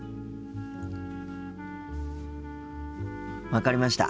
分かりました。